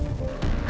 terima kasih bu